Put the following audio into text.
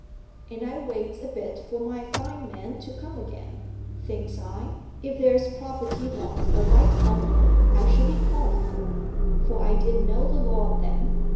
And I waits a bit for my fine man to come again. Thinks I, if there's property wants a right owner, I shall be called for; for I didn't know the law then.